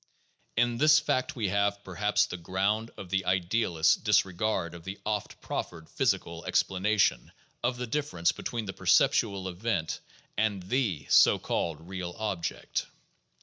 In this fact we have, perhaps, the ground of the idealist's dis regard of the oft proffered physical explanation of the difference between the perceptual event and the (so called) real object.